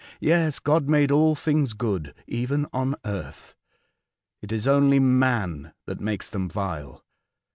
Yes, God made all things good — even on earth. It is only man that makes them vile.